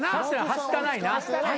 はしたないな。